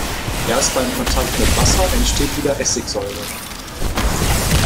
Erst beim Kontakt mit Wasser entsteht wieder Essigsäure.